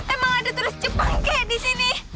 emang ada terus jepang kek disini